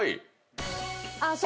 あっ！